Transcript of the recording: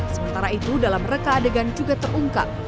sementara itu dalam reka adegan juga terungkap